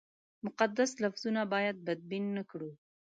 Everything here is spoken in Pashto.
مقدس لفظونه باید بدبین نه کړو.